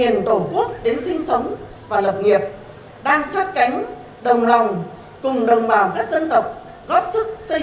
vùng của quốc đến sinh sống và lập nghiệp đang sát cánh đồng lòng cùng đồng bào các dân tộc góp sức xây